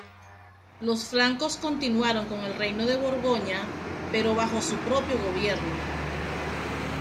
Los francos continuaron con el reino de Borgoña, pero bajo su propio gobierno.